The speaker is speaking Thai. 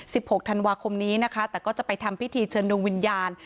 หกธันวาคมนี้นะคะแต่ก็จะไปทำพิธีเชิญดวงวิญญาณ